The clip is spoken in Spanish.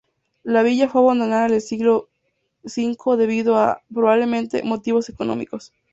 La villa fue abandonada en el siglo V debido a, probablemente, motivos económicos.